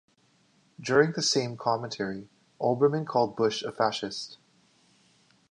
During the same commentary, Olbermann called Bush a fascist.